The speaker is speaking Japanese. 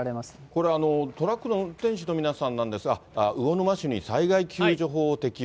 これ、トラックの運転手の皆さんなんですが、魚沼市に災害救助法を適用。